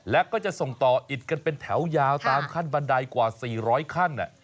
และก็จะส่งต่ออิดกันเป็นแถวยาวตามขั้นบันไดกว่า๔๐๐ขั้น